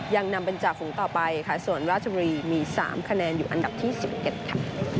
ยังนำเป็นจากฝูงต่อไปค่ะส่วนราชบุรีมี๓คะแนนอยู่อันดับที่๑๑ค่ะ